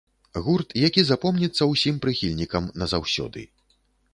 Гурт, які запомніцца ўсім прыхільнікам назаўсёды.